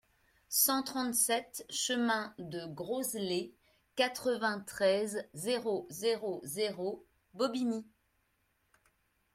cent trente-sept chemin de Groslay, quatre-vingt-treize, zéro zéro zéro, Bobigny